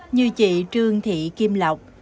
như chị trương thị kim lọc